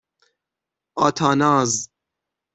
آتاناز